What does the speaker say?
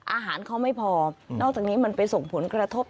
อาหารเขาไม่พอนอกจากนี้มันไปส่งผลกระทบ